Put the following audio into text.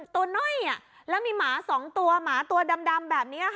ตัวน้อยแล้วมีหมา๒ตัวหมาตัวดำแบบนี้ค่ะ